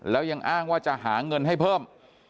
แล้วยังอ้างว่าจะหาเงินให้เพิ่ม